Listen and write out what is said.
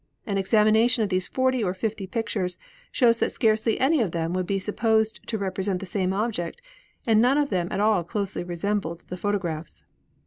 An examination of these forty or fifty pictures shows that scarcely any of them would be supposed to represent the same object, and none of them at all closely resembled the photographs.